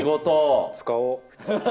使おう。